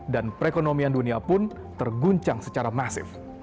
dan perekonomian dunia pun terguncang secara masif